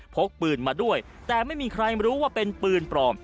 พกปืนมาด้วยแต่ไม่มีใครรู้ว่าเป็นปืนปลอม